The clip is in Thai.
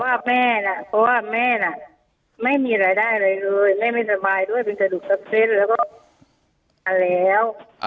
เพราะว่าแม่น่ะไม่มีรายได้อะไรเลยแม่ไม่สบายด้วยเป็นสะดุปรับเท้นแล้วก็